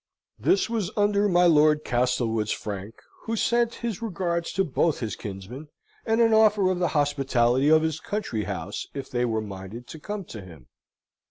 This was under my Lord Castlewood's frank, who sent his regards to both his kinsmen, and an offer of the hospitality of his country house, if they were minded to come to him.